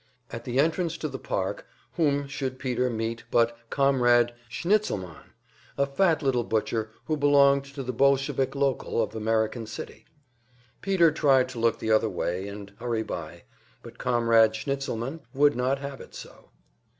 At the entrance to the park, whom should Peter meet but Comrade Schnitzelmann, a fat little butcher who belonged to the "Bolshevik local" of American City. Peter tried to look the other way and hurry by, but Comrade Schnitzelmann would not have it so.